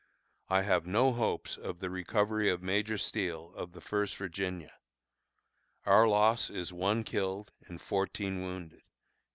I have no hopes of the recovery of Major Steele, of the First Virginia. Our loss is one killed and fourteen wounded."